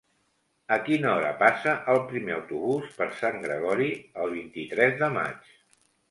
A quina hora passa el primer autobús per Sant Gregori el vint-i-tres de maig?